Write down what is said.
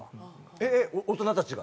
えっえっ大人たちが？